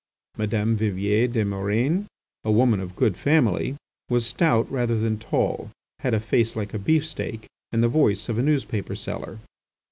Madame Vivier des Murènes, a woman of good family, was stout rather than tall, had a face like a beef steak and the voice of a newspaper seller.